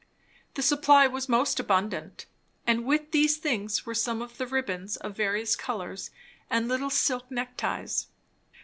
The supply was most abundant; and with these things were some ribbands of various colours and little silk neck ties.